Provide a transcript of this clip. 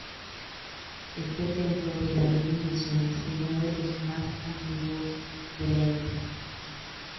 Este templo de grandes dimensiones es uno de los más antiguos de la India.